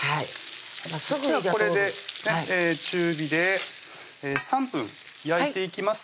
じゃあこれで中火で３分焼いていきます